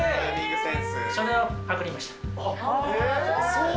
そう。